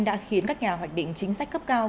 đã khiến các nhà hoạch định chính sách cấp cao